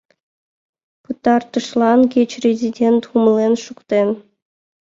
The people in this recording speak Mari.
Пытартышлан кеч резидент умылен шуктен!..